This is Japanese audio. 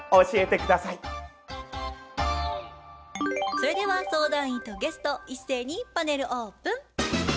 それでは相談員とゲスト一斉にパネルオープン。